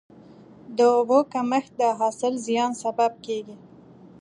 د اوبو کمښت د حاصل زیان سبب کېږي.